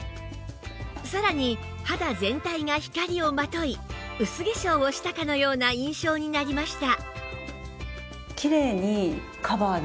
さらに肌全体が光をまとい薄化粧をしたかのような印象になりました